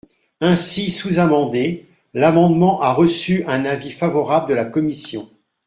Ainsi sous-amendé, l’amendement a reçu un avis favorable de la commission.